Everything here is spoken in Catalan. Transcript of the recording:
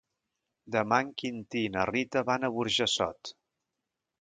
Demà en Quintí i na Rita van a Burjassot.